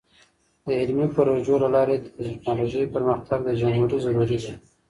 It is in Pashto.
د علمي پروژو له لارې د ټیکنالوژۍ پرمختګ د جمهوری ضروری دی.